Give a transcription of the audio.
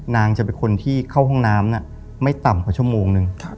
นางจะเป็นคนที่เข้าห้องน้ำไม่ต่ำกว่าชั่วโมงนึง